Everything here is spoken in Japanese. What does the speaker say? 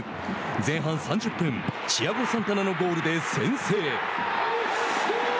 前半３０分チアゴ・サンタナのゴールで先制。